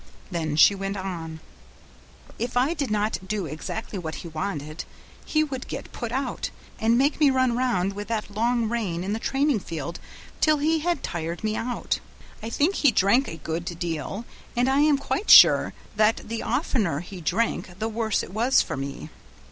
Then she went on: "If I did not do exactly what he wanted he would get put out, and make me run round with that long rein in the training field till he had tired me out. I think he drank a good deal, and I am quite sure that the oftener he drank the worse it was for me.